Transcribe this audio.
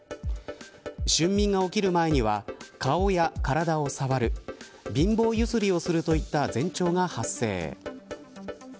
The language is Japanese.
瞬眠が起きる前には顔や体を触る貧乏ゆすりをするといった前兆が発生。